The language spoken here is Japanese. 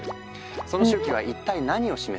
その周期は一体何を示すのか？